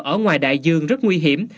ở ngoài đại dương rất nguy hiểm